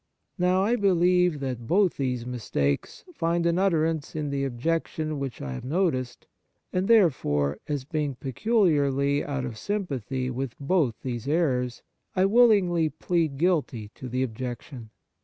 Now, I believe that both these mistakes find an utterance in the objection which I have noticed, and therefore, as being peculiarly out of sympathy with both these errors, I willingly plead guilty to the objection.